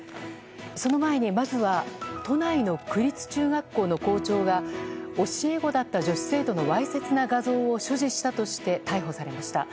その前に、まずは都内の区立中学校の校長が教え子だった女子生徒のわいせつな画像を所持したとして逮捕されました。